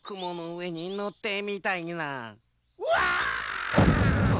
わあ！